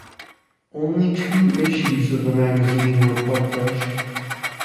Only two issues of the magazine were published.